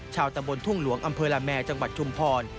ชาวตำบลทุ่งหลวงอำเภอละแมจังหวัดชุมพร